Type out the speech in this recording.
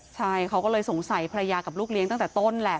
ใช่เขาก็เลยสงสัยภรรยากับลูกเลี้ยงตั้งแต่ต้นแหละ